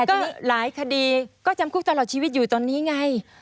แต่ก็หลายคดีก็จำคุกตลอดชีวิตอยู่ตอนนี้ไง